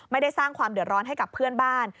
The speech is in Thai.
ไม่ได้สร้างความเดือดร้อนให้กับเพื่อนบ้าน